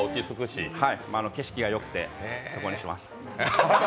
景色がよくて、そこにしました。